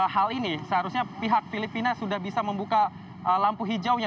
hal ini seharusnya pihak filipina sudah bisa membuka lampu hijaunya